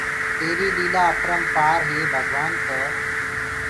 تيري ليلآن آپرمپآر ري هي ڀگوآن تو